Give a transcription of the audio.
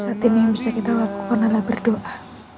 saat ini yang bisa kita lakukan adalah berdoa